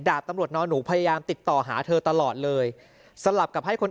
ดาบตำรวจนอนหนูพยายามติดต่อหาเธอตลอดเลยสลับกับให้คน